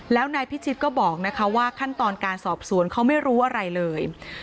แล้วนายพิชิตก็บอกนะคะว่าขั้นตอนการสอบสวนเขาไม่รู้อะไรเลย